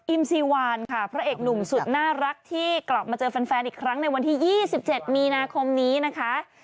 ซีวานค่ะพระเอกหนุ่มสุดน่ารักที่กลับมาเจอแฟนอีกครั้งในวันที่๒๗มีนาคมนี้นะคะ